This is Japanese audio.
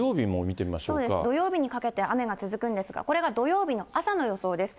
土曜日にかけて雨が続くんですが、これが土曜日の朝の予想です。